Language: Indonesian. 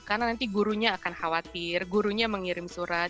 karena nanti gurunya akan khawatir gurunya mengirim surat